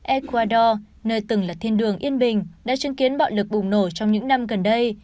ecuador nơi từng là thiên đường yên bình đã chứng kiến bạo lực bùng nổ trong những năm gần đây